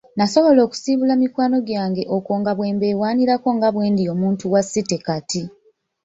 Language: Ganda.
Nasobola okusiibula mikwano gyange okwo nga bwe mbeewaanirako nga bwendi muntu wa city kati.